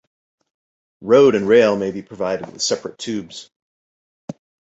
Road and rail may be provided with separate tubes.